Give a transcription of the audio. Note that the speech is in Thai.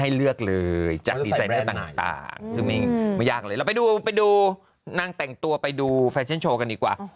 ให้เลือกเลยจากดีไซน์แบรนด์ต่างไม่ยากเลยไปดูนั่งแต่งตัวไปดูแฟชั่นโชว์กันดีกว่า